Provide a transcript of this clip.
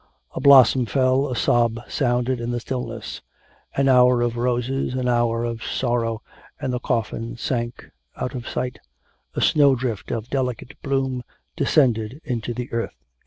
A blossom fell, a sob sounded in the stillness. An hour of roses, an hour of sorrow, and the coffin sank out of sight, a snow drift of delicate bloom descended into the earth.